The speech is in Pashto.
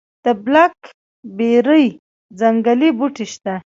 د بلک بیري ځنګلي بوټي شته؟